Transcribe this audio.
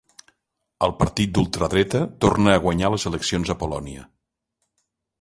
El partit d'ultradreta torna a guanyar les eleccions a Polònia.